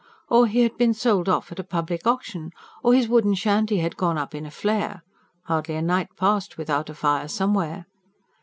Or he had been sold off at public auction; or his wooden shanty had gone up in a flare hardly a night passed without a fire somewhere.